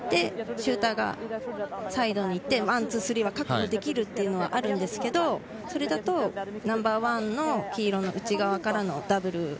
シューターがサイドに行ってワン、ツー、スリーは確保できるというのはあるんですが、それだとナンバーワンの黄色の内側からのダブル。